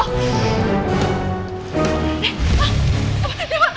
eh ah apa dewa